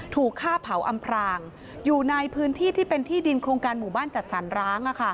ถูกฆ่าเผาอำพรางอยู่ในพื้นที่ที่เป็นที่ดินโครงการหมู่บ้านจัดสรรร้าง